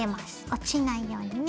落ちないようにね。